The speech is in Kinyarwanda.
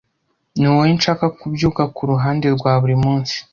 Niwowe nshaka kubyuka kuruhande rwa buri munsi